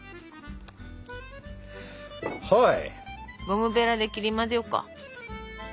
ゴムベラで切り混ぜようか。